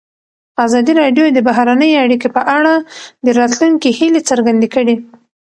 ازادي راډیو د بهرنۍ اړیکې په اړه د راتلونکي هیلې څرګندې کړې.